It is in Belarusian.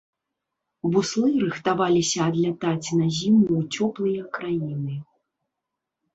Буслы рыхтаваліся адлятаць на зіму ў цёплыя краіны.